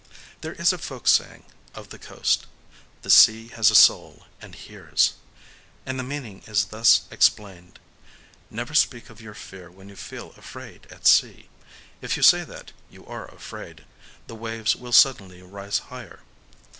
There is a folk saying of the coast:—"The Sea has a soul and hears." And the meaning is thus explained: Never speak of your fear when you feel afraid at sea;—if you say that you are afraid, the waves will suddenly rise higher.